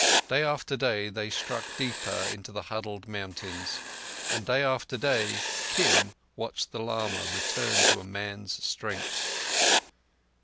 Day after day they struck deeper into the huddled mountains, and day after day Kim watched the lama return to a man's strength.